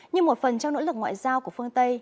như một phần trong nỗ lực ngoại giao của phương tây